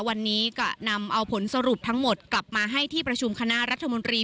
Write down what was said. วันนี้ก็นำเอาผลสรุปทั้งหมดกลับมาให้ที่ประชุมคณะรัฐมนตรี